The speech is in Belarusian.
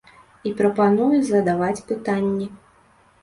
І прапануе задаваць пытанні.